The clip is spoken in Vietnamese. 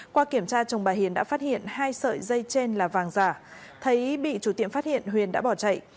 qua kiểm tra chồng bà hiền đã phát hiện hai sợi dây trên là vàng giả thấy bị chủ tiệm phát hiện huyền đã bỏ chạy